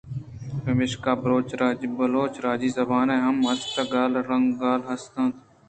پمیشکا بلوچ راجی زُبان ءَ ھم ستاگال/ رنگ گال ھست اَنت۔